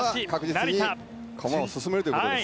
まずは確実に駒を進めるということですね。